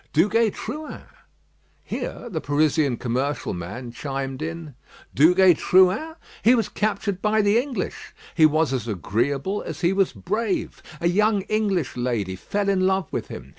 "Duguay Trouin." Here the Parisian commercial man chimed in: "Duguay Trouin? He was captured by the English. He was as agreeable as he was brave. A young English lady fell in love with him.